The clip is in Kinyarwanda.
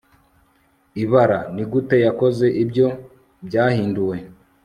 ibara. nigute yakoze ibyo byahinduwe